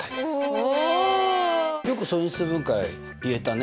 お！